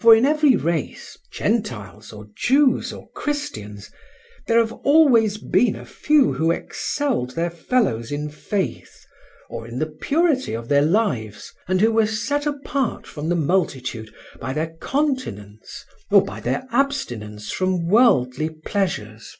For in every race, gentiles or Jews or Christians, there have always been a few who excelled their fellows in faith or in the purity of their lives, and who were set apart from the multitude by their continence or by their abstinence from worldly pleasures.